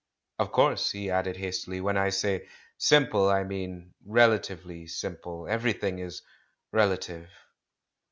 "Of course," he added hastily, "when I say 'simple,' I mean relatively simple — everything is relative."